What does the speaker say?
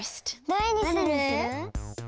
どれにする？